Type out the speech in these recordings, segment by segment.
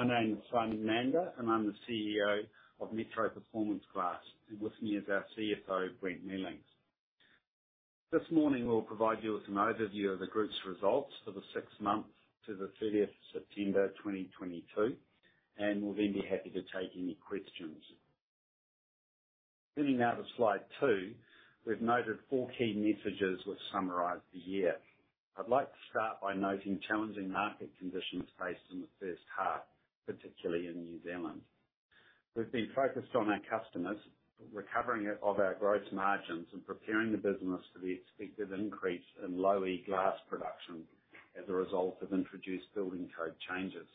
My name is Simon Mander, and I'm the CEO of Metro Performance Glass, and with me is our CFO, Brent Mealings. This morning, we'll provide you with an overview of the group's results for the six months to the 30th of September 2022, and we'll then be happy to take any questions. Moving now to slide two, we've noted four key messages which summarize the year. I'd like to start by noting challenging market conditions faced in the first half, particularly in New Zealand. We've been focused on our customers, recovering of our gross margins, and preparing the business for the expected increase in Low-E glass production as a result of introduced building code changes.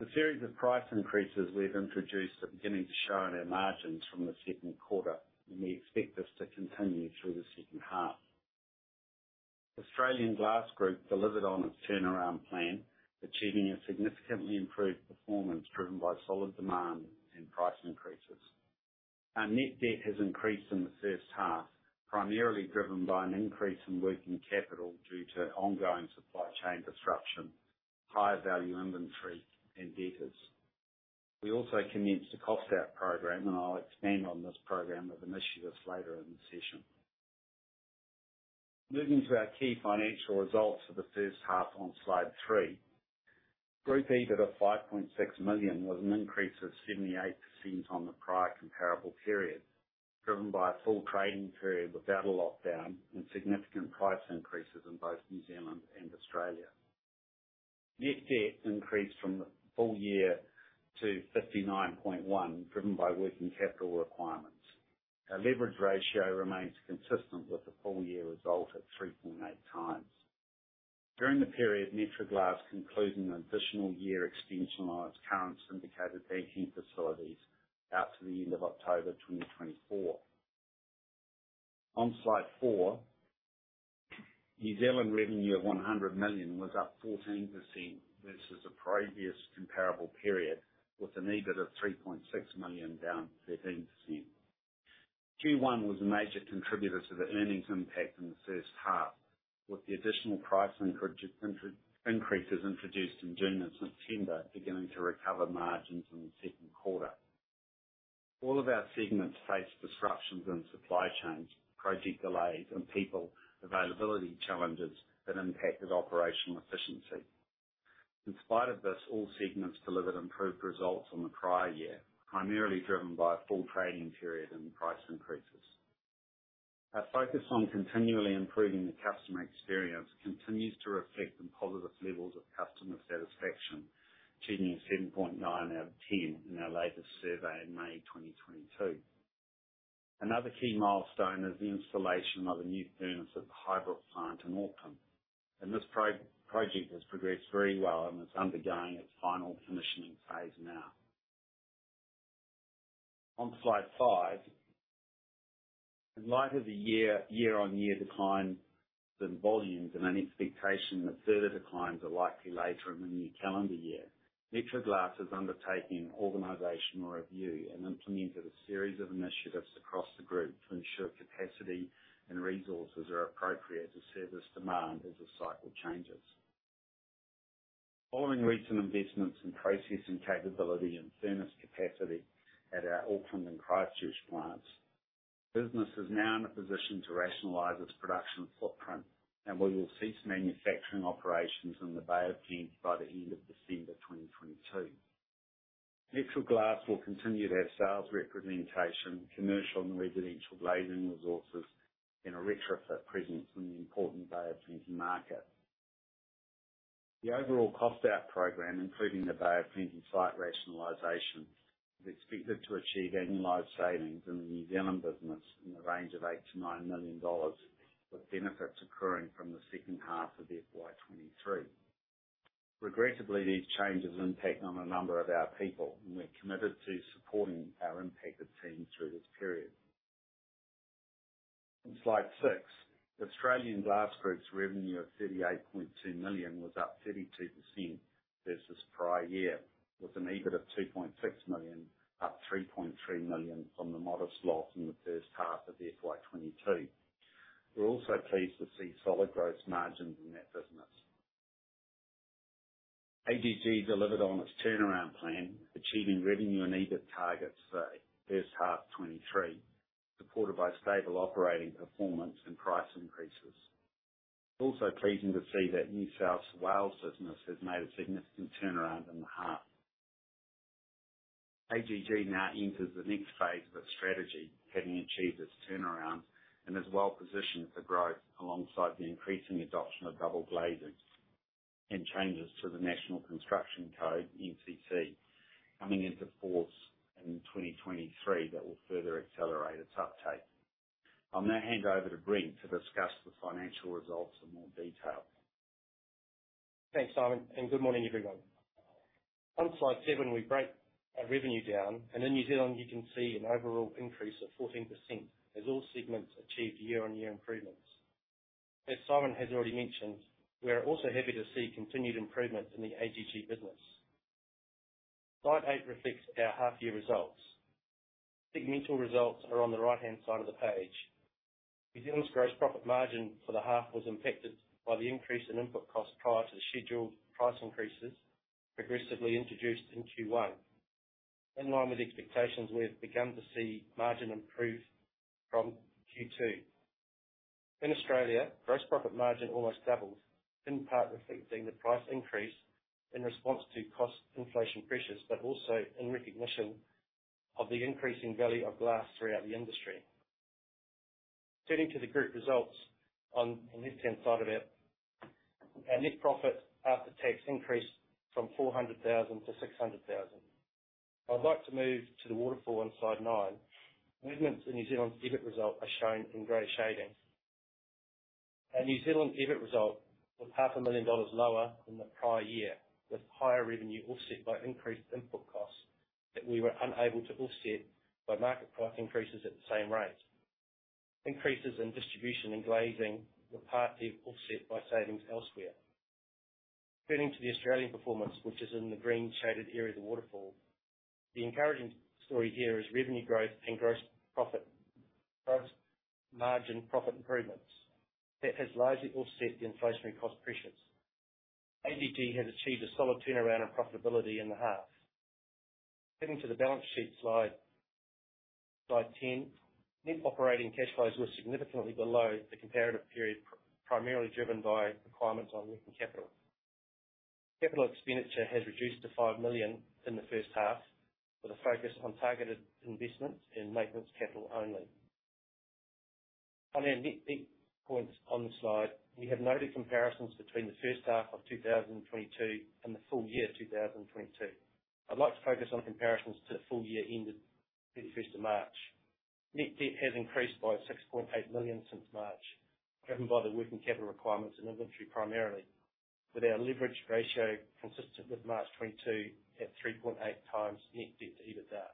The series of price increases we've introduced are beginning to show in our margins from the second quarter, and we expect this to continue through the second half. Australian Glass Group delivered on its turnaround plan, achieving a significantly improved performance driven by solid demand and price increases. Our net debt has increased in the first half, primarily driven by an increase in working capital due to ongoing supply chain disruption, higher value inventory, and debtors. We also commenced a cost out program. I'll expand on this program of initiatives later in the session. Moving to our key financial results for the first half on slide three. Group EBIT of 5.6 million was an increase of 78% on the prior comparable period, driven by a full trading period without a lockdown and significant price increases in both New Zealand and Australia. Net debt increased from the full year to 59.1 million, driven by working capital requirements. Our leverage ratio remains consistent with the full-year result at 3.8x. During the period, Metro Glass concluded an additional year extension on its current syndicated banking facilities out to the end of October 2024. On slide four, New Zealand revenue of 100 million was up 14% versus the previous comparable period, with an EBIT of 3.6 million, down 13%. Q1 was a major contributor to the earnings impact in the first half, with the additional price increases introduced in June and September beginning to recover margins in the second quarter. All of our segments faced disruptions in supply chains, project delays, and people availability challenges that impacted operational efficiency. In spite of this, all segments delivered improved results on the prior year, primarily driven by a full trading period and price increases. Our focus on continually improving the customer experience continues to reflect in positive levels of customer satisfaction, achieving 7.9 out of 10 in our latest survey in May 2022. Another key milestone is the installation of the new furnace at the Highbrook plant in Auckland. This project has progressed very well and is undergoing its final commissioning phase now. On slide five, in light of the year-on-year decline in volumes and an expectation that further declines are likely later in the new calendar year, Metro Glass is undertaking an organizational review and implemented a series of initiatives across the group to ensure capacity and resources are appropriate to service demand as the cycle changes. Following recent investments in processing capability and furnace capacity at our Auckland and Christchurch plants, business is now in a position to rationalize its production footprint, and we will cease manufacturing operations in the Bay of Plenty by the end of December 2022. Metro Glass will continue their sales representation, commercial and residential glazing resources, and a retrofit presence in the important Bay of Plenty market. The overall cost out program, including the Bay of Plenty site rationalization, is expected to achieve annualized savings in the New Zealand business in the range of 8 million-9 million dollars, with benefits occurring from the second half of FY 2023. Regrettably, these changes impact on a number of our people, and we're committed to supporting our impacted team through this period. On slide six, Australian Glass Group's revenue of 38.2 million was up 32% versus prior year, with an EBIT of 2.6 million, up 3.3 million from the modest loss in the first half of FY 2022. We're also pleased to see solid gross margins in that business. AGG delivered on its turnaround plan, achieving revenue and EBIT targets for first half 2023, supported by stable operating performance and price increases. Pleasing to see that New South Wales business has made a significant turnaround in the half. AGG now enters the next phase of its strategy, having achieved its turnaround, and is well positioned for growth alongside the increasing adoption of double glazing and changes to the National Construction Code, NCC, coming into force in 2023 that will further accelerate its uptake. I'll now hand over to Brent to discuss the financial results in more detail. Thanks, Simon. Good morning, everyone. On slide seven, we break our revenue down. In New Zealand you can see an overall increase of 14% as all segments achieved year-on-year improvements. As Simon has already mentioned, we are also happy to see continued improvement in the AGG business. Slide 8 reflects our half year results. Segmental results are on the right-hand side of the page. New Zealand's gross profit margin for the half was impacted by the increase in input costs prior to the scheduled price increases progressively introduced in Q1. In line with expectations, we've begun to see margin improve from Q2. In Australia, gross profit margin almost doubled, in part reflecting the price increase in response to cost inflation pressures, also in recognition of the increasing value of glass throughout the industry. Turning to the group results on the left-hand side of it. Our net profit after tax increased from 400,000 to 600,000. I'd like to move to the waterfall on slide 9. Movements in New Zealand's EBIT result are shown in gray shading. Our New Zealand EBIT result was 0.5 million dollars lower than the prior year, with higher revenue offset by increased input costs that we were unable to offset by market price increases at the same rate. Increases in distribution and glazing were partly offset by savings elsewhere. Turning to the Australian performance, which is in the green shaded area of the waterfall. The encouraging story here is revenue growth and gross profit—gross margin profit improvements. That has largely offset the inflationary cost pressures. AGG has achieved a solid turnaround and profitability in the half. Heading to the balance sheet slide 10. Net operating cash flows were significantly below the comparative period, primarily driven by requirements on working capital. Capital expenditure has reduced to 5 million in the first half, with a focus on targeted investments and maintenance capital only. On our net debt points on the slide, we have noted comparisons between the first half of 2022 and the full year 2022. I'd like to focus on comparisons to full year ended 31st of March. Net debt has increased by 6.8 million since March, driven by the working capital requirements and inventory primarily, with our leverage ratio consistent with March 2022 at 3.8x net debt to EBITDA.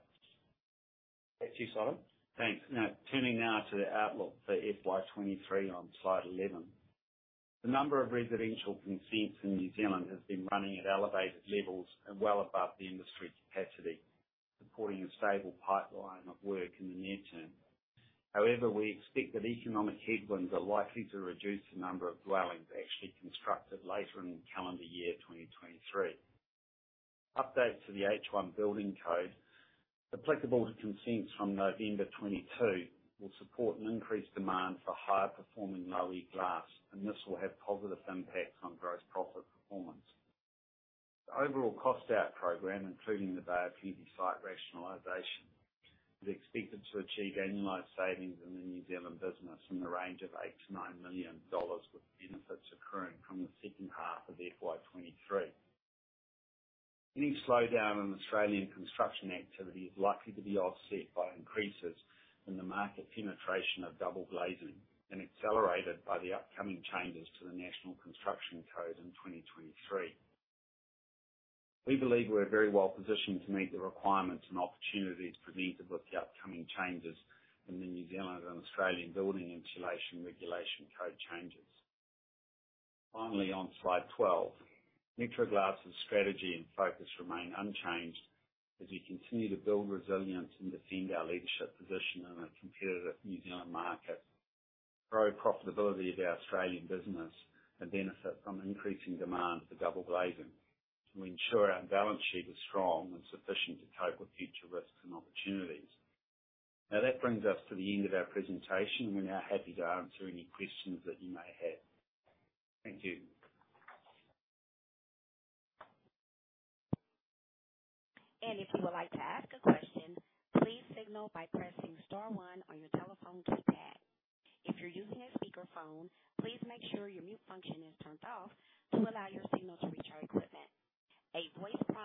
Back to you, Simon. Thanks. Turning now to the outlook for FY 2023 on slide 11. The number of residential consents in New Zealand has been running at elevated levels and well above the industry capacity, supporting a stable pipeline of work in the near term. However, we expect that economic headwinds are likely to reduce the number of dwellings actually constructed later in calendar year 2023. Updates to the H1 building code applicable to consents from November 2022 will support an increased demand for higher performing Low-E glass, and this will have positive impacts on gross profit performance. The overall cost out program, including the Bay of Plenty site rationalization, is expected to achieve annualized savings in the New Zealand business in the range of 8 million-9 million dollars, with benefits accruing from the second half of FY 2023. Any slowdown in Australian construction activity is likely to be offset by increases in the market penetration of double glazing and accelerated by the upcoming changes to the National Construction Code in 2023. We believe we're very well positioned to meet the requirements and opportunities presented with the upcoming changes in the New Zealand and Australian Building Insulation Regulation code changes. On slide 12. Metro Glass's strategy and focus remain unchanged as we continue to build resilience and defend our leadership position in a competitive New Zealand market, grow profitability of our Australian business, and benefit from increasing demand for double glazing to ensure our balance sheet is strong and sufficient to cope with future risks and opportunities. That brings us to the end of our presentation. We are now happy to answer any questions that you may have. Thank you. If you would like to ask a question, please signal by pressing star one on your telephone keypad. If you're using a speakerphone, please make sure your mute function is turned off to allow your signal to reach our equipment.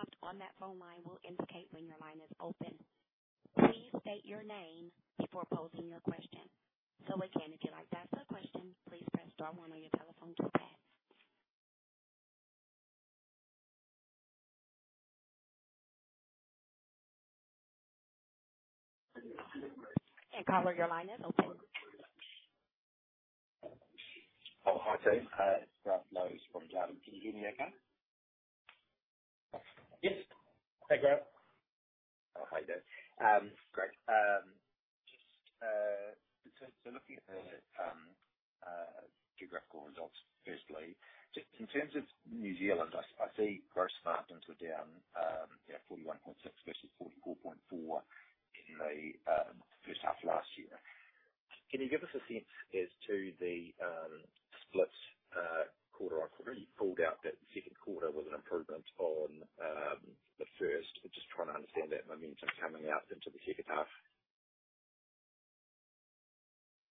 A voice prompt on that phone line will indicate when your line is open. Please state your name before posing your question. Again, if you'd like to ask a question, please press star one on your telephone keypad. Caller, your line is open. Oh, hi team, Grant Lowe from Jarden. Can you hear me okay? Yes. Hey, Grant. Hi there. Great. Just looking at the geographical results, firstly, just in terms of New Zealand, I see gross margins were down, 41.6% versus 44.4% in the first half of last year. Can you give us a sense as to the split quarter-on-quarter? You called out that the second quarter was an improvement on the first. Just trying to understand that momentum coming out into the second half.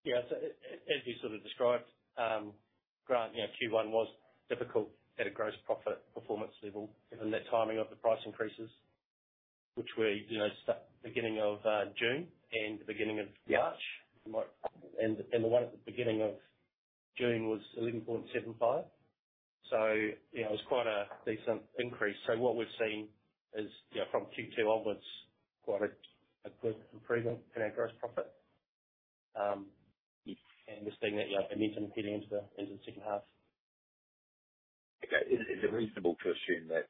As you sort of described, Grant, you know, Q1 was difficult at a gross profit performance level, given the timing of the price increases, which were, you know, beginning of June and the beginning of March. Yeah. The one at the beginning of June was 11.75%. You know, it was quite a decent increase. What we've seen is, you know, from Q2 onwards, quite a good improvement in our gross profit. Yes. Just seeing that, you know, momentum heading into the second half. Okay. Is it reasonable to assume that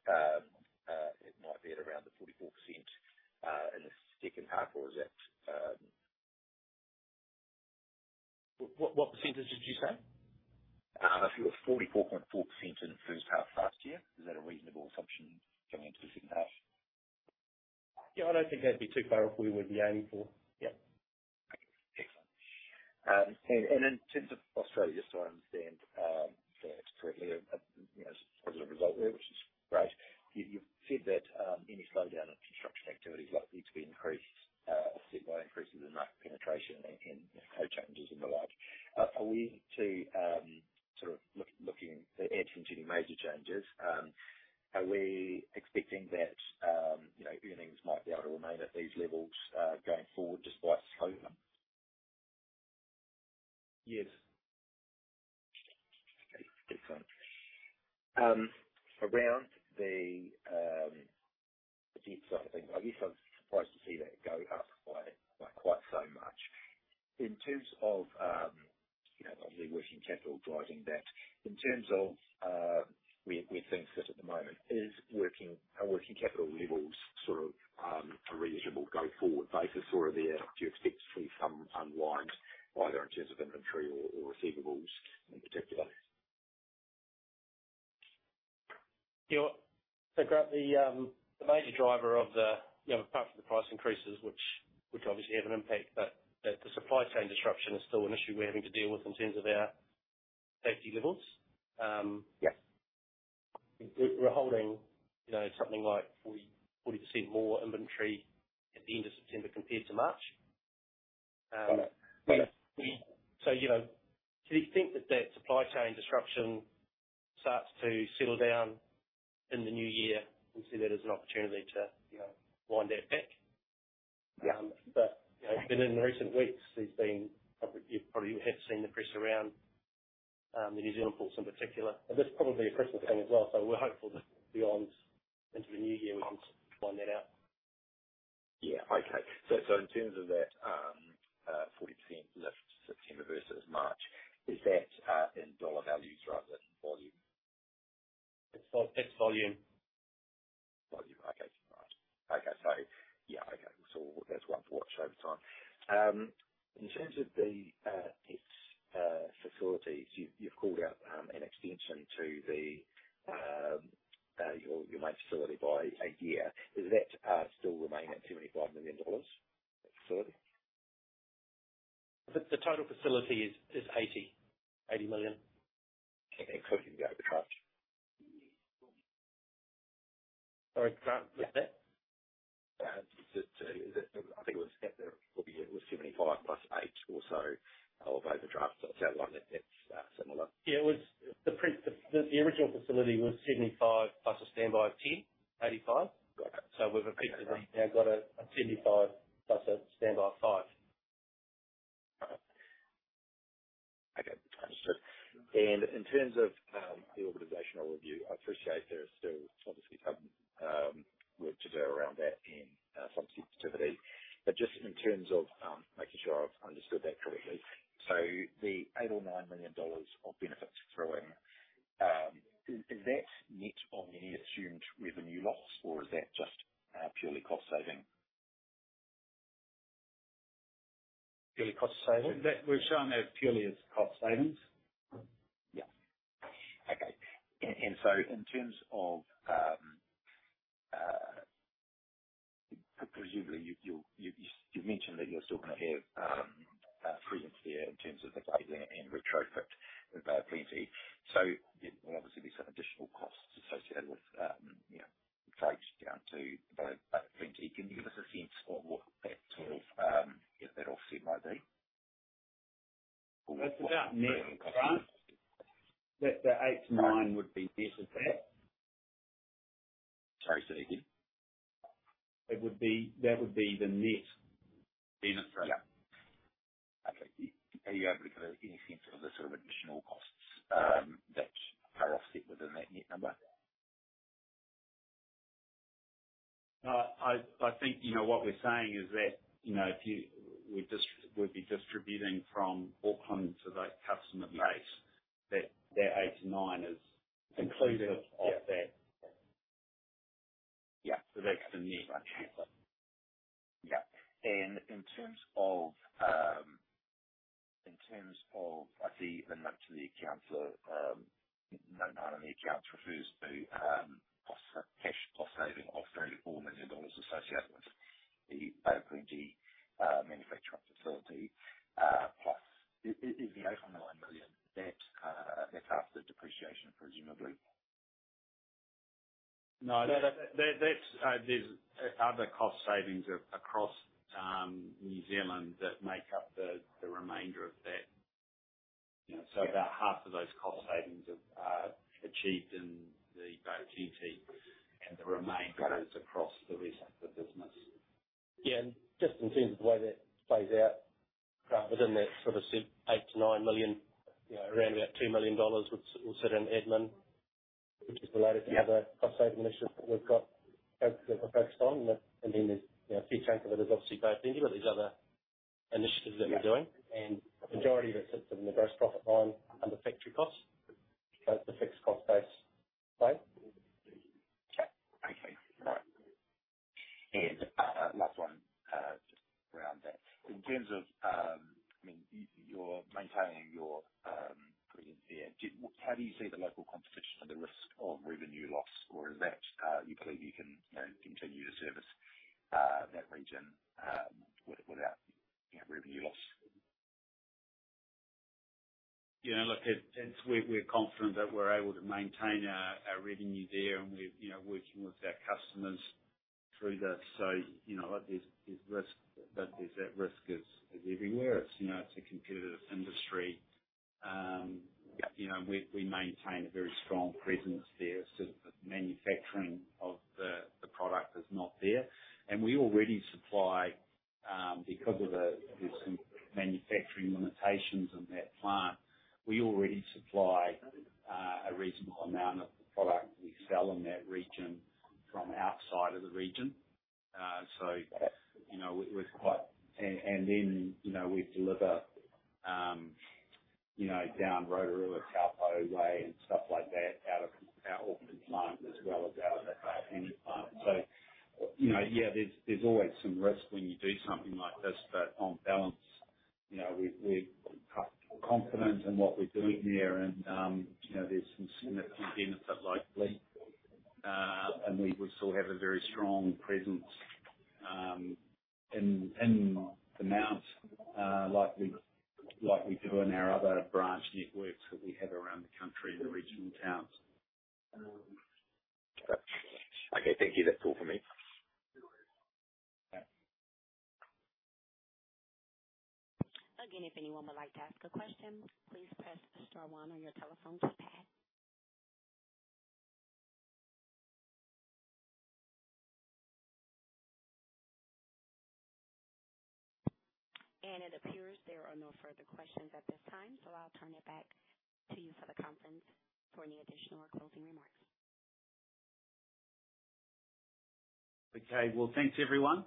it might be at around the 44% in the second half, or is that? What percentage did you say? If you were 44.4% in the first half last year, is that a reasonable assumption going into the second half? Yeah, I don't think that'd be too far off where we'd be aiming for. Yeah. Okay. Excellent. In terms of Australia, I understand, if correctly, you know, positive result there, which is great. You've said that any slowdown in construction activity is likely to be increased offset by increases in market penetration and changes in the Code. Are we to looking ahead to any major changes, are we expecting that, you know, earnings might be able to remain at these levels going forward despite the slowdown? Yes. Okay. Excellent. around the debts, I think. I guess I was surprised to see that go up by quite so much. In terms of, you know, obviously working capital driving that. In terms of, we think that at the moment is working capital levels sort of a reasonable go-forward basis, or are there—do you expect to see some unwind, either in terms of inventory or receivables in particular? Grant, the major driver of the, you know, apart from the price increases which obviously have an impact, but the supply chain disruption is still an issue we're having to deal with in terms of our safety levels. Yes. We're holding, you know, something like 40% more inventory at the end of September compared to March. Got it. You know, so we think that that supply chain disruption starts to settle down in the new year. We see that as an opportunity to, you know, wind that back. Yeah. You know, even in recent weeks, you probably have seen the press around the New Zealand ports in particular, and that's probably a Christmas thing as well. We're hopeful that beyond into the new year, we can wind that out. Yeah. Okay. in terms of that, 40% lift September versus March, is that in dollar values rather than volume? It's volume. Volume. Okay. Right. Okay. Yeah. Okay. That's one to watch over time. In terms of the debts facilities, you've called out an extension to the your main facility by a year. Does that still remain at 75 million dollars facility? The total facility is 80 million. Okay. Including the overdraft. Sorry, Grant. What's that? Is it? I think it was at the. It was 75 million plus 8 million or so of overdraft. It sounds like that's similar. Yeah. It was the original facility was 75 million plus a standby of 10 million: 85 million. Got it. So we've effectively now got a 75 million plus a standby of 5 million. Okay. Understood. In terms of the organizational review, I appreciate there is still obviously some work to do around that and some sensitivity. Just in terms of making sure I've understood that correctly. The 8 million or 9 million dollars of benefits flowing, is that net of any assumed revenue loss or is that just purely cost saving? Purely cost saving? We've shown that purely as cost savings. Yeah. Okay. In terms of, presumably you mentioned that you're still gonna have fees into the year in terms of the piping and retrofit at Bay of Plenty. There will obviously be some additional costs associated with, you know, pipes down to Bay of Plenty. Can you give us a sense of what that total, yeah, that offset might be? That's about net, Grant. The 8 million-9 million would be net of that. Sorry, say that again. That would be the net benefit. Yeah. Okay. Are you able to give any sense of the sort of additional costs that are offset within that net number? I think, you know, what we're saying is that, you know, if you—we'd be distributing from Auckland to that customer base, that 8 million-9 million is inclusive of that. Yeah. That's the net number. Yeah. In terms of I see the note to the accounts, no, not in the accounts, refers to cost, cash cost saving of 34 million dollars associated with the Bay of Plenty manufacturing facility, plus. Is the 8.9 million, that's after depreciation, presumably? No. That's there's other cost savings across New Zealand that make up the remainder of that. Yeah. About half of those cost savings are achieved in the Bay of Plenty. Got it. Is across the rest of the business. Yeah. Just in terms of the way that plays out, Grant, within that sort of 8 million- 9 million, you know, around about 2 million dollars would sit in admin. Which is related to other cost saving initiatives that we've got focused on. There's, you know, a big chunk of it is obviously going into these other initiatives that we're doing and majority of it sits in the gross profit line under factory costs. It's a fixed cost base play. Okay. All right. Last one, just around that. In terms of, I mean, you're maintaining your presence there. How do you see the local competition and the risk of revenue loss or is that, you believe you can, you know, continue to service that region, with, without, you know, revenue loss? You know, look, it's, we're confident that we're able to maintain our revenue there and we're, you know, working with our customers through that. You know, there's risk, but that risk is everywhere. It's, you know, it's a competitive industry. You know, we maintain a very strong presence there. The manufacturing of the product is not there. We already supply, because of the, there's some manufacturing limitations in that plant. We already supply a reasonable amount of the product we sell in that region from outside of the region. You know, we're quite—then, you know, we deliver, you know, down Rotorua, Taupō way and stuff like that out of our Auckland plant as well as out of that Bay of Plenty plant. You know, there's always some risk when you do something like this, but on balance, you know, we're confident in what we're doing there. you know, there's some significant benefit likely. And we will still have a very strong presence in the Mount, like we do in our other branch networks that we have around the country in the regional towns. Okay. Thank you. That's all for me. No worries. All right. Again, if anyone would like to ask a question, please press star one on your telephone keypad. It appears there are no further questions at this time, so I'll turn it back to you for the conference for any additional or closing remarks. Okay. Well, thanks, everyone.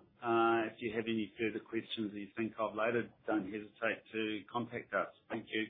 If you have any further questions that you think of later, don't hesitate to contact us. Thank you.